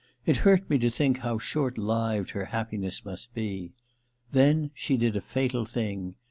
It hurt me to think how short lived her happiness must be. Then she did a fatal thing.